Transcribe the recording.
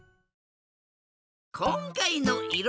こんかいのいろ